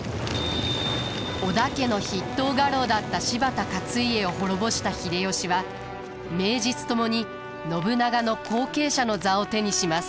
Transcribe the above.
織田家の筆頭家老だった柴田勝家を滅ぼした秀吉は名実ともに信長の後継者の座を手にします。